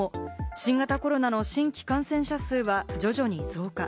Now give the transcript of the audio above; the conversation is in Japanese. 新型コロナの新規感染者数は徐々に増加。